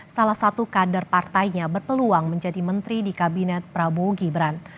salah satu kader partainya berpeluang menjadi menteri di kabinet prabowo gibran